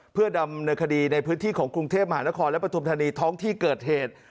เพื่อดำเนินคดีในพื้นที่ของกรุงเทพมหานครและปฐุมธานีท้องที่เกิดเหตุ